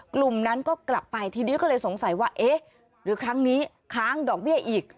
กลุ่มนั้นก็กลับไปทีนี้ก็เลยสงสัยว่าเอ๊ะหรือครั้งนี้ค้างดอกเบี้ยอีก